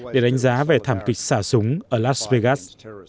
để đánh giá về thảm kịch xả súng ở las vegas